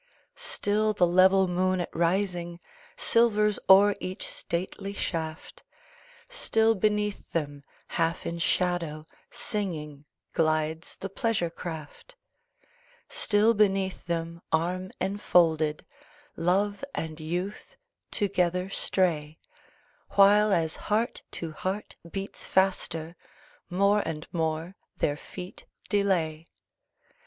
Still the level moon at rising Silvers o'er each stately shaft; Still beneath them, half in shadow, Singing, glides the pleasure craft; Still beneath them, arm enfolded, Love and Youth together stray; While, as heart to heart beats faster, More and more their feet delay.